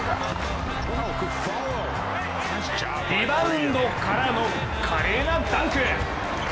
リバウンドからの華麗なダンク。